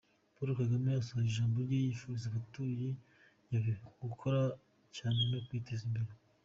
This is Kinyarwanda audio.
Paul Kagame asoje ijambo rye yifuriza abatuye Nyabihu gukora cyane no kwiteza imbere.